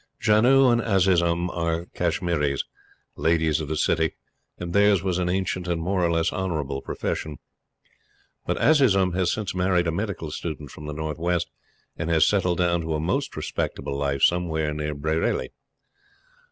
Janoo and Azizun are Kashmiris, Ladies of the City, and theirs was an ancient and more or less honorable profession; but Azizun has since married a medical student from the North West and has settled down to a most respectable life somewhere near Bareilly.